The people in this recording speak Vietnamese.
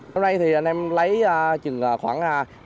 hôm nay thì anh em lấy khoảng năm trăm linh